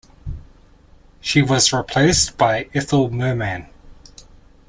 She was replaced by Ethel Merman.